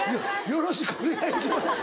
よろしくお願いします。